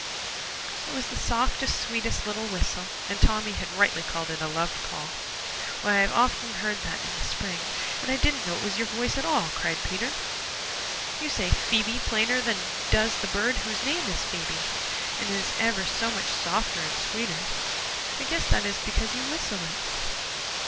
It was the softest, sweetest little whistle, and Tommy had rightly called it a love call. "Why, I've often heard that in the spring and didn't know it was your voice at all," cried Peter. "You say Phoebe plainer than does the bird who is named Phoebe, and it is ever so much softer and sweeter. I guess that is because you whistle it."